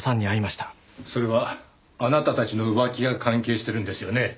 それはあなたたちの浮気が関係してるんですよね？